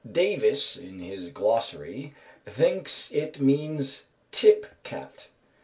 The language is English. Davis in his "Glossary" thinks it means "tip cat."